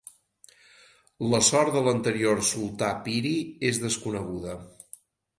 La sort de l'anterior sultà Piri és desconeguda.